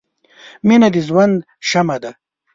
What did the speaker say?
• مینه د ژوند شمعه ده.